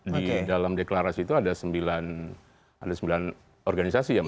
di dalam deklarasi itu ada sembilan organisasi ya